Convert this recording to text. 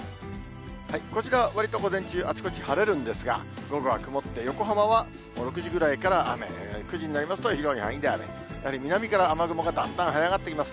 こちら、わりと午前中、あちこち晴れるんですが、午後は曇って、横浜は６時ぐらいから雨で、９時になりますと広い範囲で雨、やはり南から雨雲がだんだんはい上がってきます。